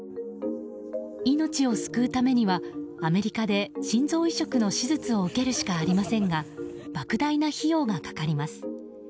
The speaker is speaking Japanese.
命を救うためにはアメリカで心臓移植の手術を受けるしかありませんが莫大な費用がかかります。